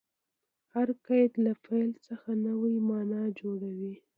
هر قید له فعل څخه نوې مانا جوړوي.